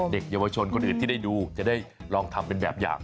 เด็กเยาวชนคนอื่นที่ได้ดูจะได้ลองทำเป็นแบบอย่าง